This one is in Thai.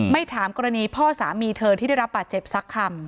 ถามกรณีพ่อสามีเธอที่ได้รับบาดเจ็บสักคำ